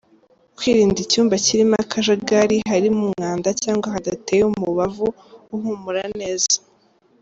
Kwirinda icyumba kirimo akajagari, harimo umwanda cyangwa hadateye umubavu uhumura neza.